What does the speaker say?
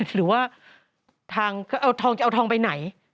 หรือว่าทางเอาทองจะเอาทองไปไหน